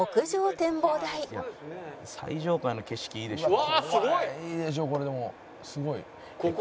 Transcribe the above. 「最上階の景色いいでしょ」